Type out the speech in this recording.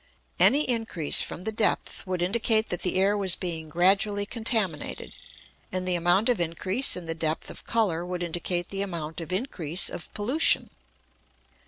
Any increase from the depth would indicate that the air was being gradually contaminated; and the amount of increase in the depth of colour would indicate the amount of increase of pollution.